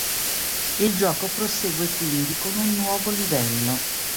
Il gioco prosegue quindi con un nuovo livello.